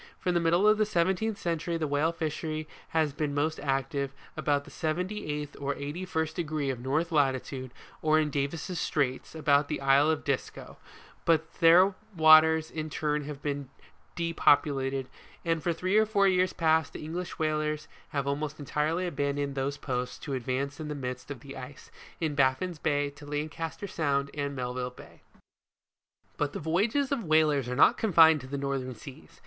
From the middle of the seventeenth century the whale fishery has been most active about the 78th or 81st degree of north latitude, or in Davis' Straits, about the isle of Disco ; but these waters in turn have been depopulated, and for three or four years past, the English whalers have almost entirely abandoned those places, to advance in the midst of the ice, in Baffins Bay, to Lancaster Sound and Melville Bay. But the voyages of whalers are not confined to the northern seas.